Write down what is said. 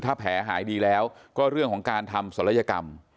ถ้าแผลหายดีแล้วก็เรื่องของการทำศัลยกรรม